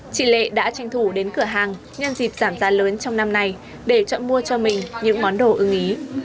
chị lệ đã tranh thủ đến cửa hàng nhân dịp giảm giá lớn trong năm này để chọn mua cho mình những món đồ ưng ý